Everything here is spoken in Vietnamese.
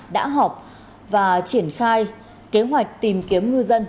đã họp và triển khai kế hoạch tìm kiếm ngư dân